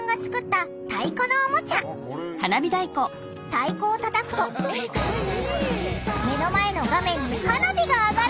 太鼓をたたくと目の前の画面に花火が上がる！